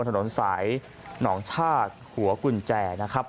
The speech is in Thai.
ถนนสายหนองชาติหัวกุญแจนะครับ